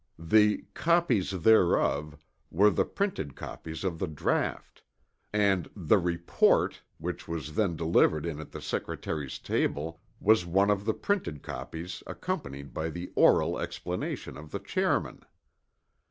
The "copies thereof" were the printed copies of the draught; and "the report" which was "then delivered in at the Secretary's table" was one of the printed copies accompanied by the oral explanation of the chairman.